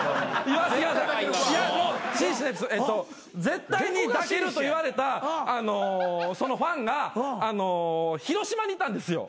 絶対に抱けるといわれたそのファンが広島にいたんですよ。